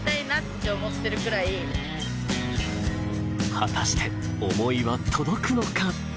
果たして思いは届くのか？